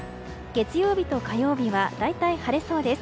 月曜日と火曜日は大体晴れそうです。